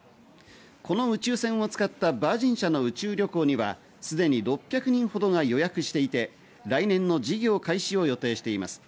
この宇宙船を使ったヴァージン社の宇宙旅行にはすでに６００人ほどが予約していて来年の事業開始を予定しています。